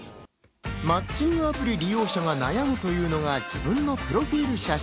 マッチングアプリ利用者が悩むというのが自分のプロフィル写真。